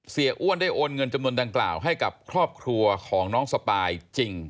อ้วนได้โอนเงินจำนวนดังกล่าวให้กับครอบครัวของน้องสปายจริง